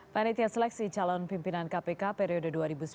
panitia seleksi calon pimpinan kpk periode dua ribu sembilan belas dua ribu dua